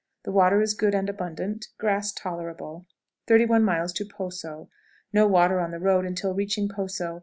The water is good and abundant; grass tolerable. 31.00. Poso. No water on the road until reaching Poso.